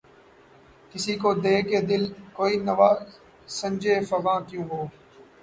کسی کو دے کے دل‘ کوئی نوا سنجِ فغاں کیوں ہو؟